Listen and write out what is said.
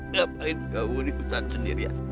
ngapain kamu di hutan sendiri ya